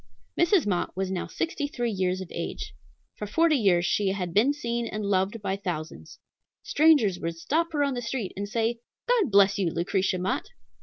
Mrs. Mott was now sixty three years of age. For forty years she had been seen and loved by thousands. Strangers would stop her on the street and say, "God bless you, Lucretia Mott!"